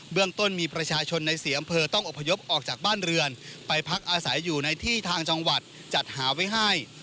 เรื่องต้นมีประชาชนใน๔อำเภอต้องอพยพออกจากบ้านเรือนไปพักอาศัยอยู่ในที่ทางจังหวัดจัดหาไว้ให้